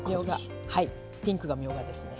ピンクがみょうがですね。